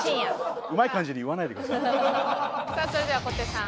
さあそれでは小手さん